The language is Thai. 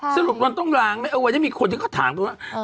สรุปว่าต้องล้างไหมเออวันนี้มีคนที่ก็ถามตรงนั้น